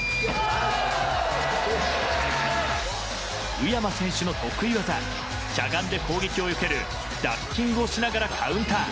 宇山選手の得意技しゃがんで攻撃をよけるダッキングをしながらカウンター。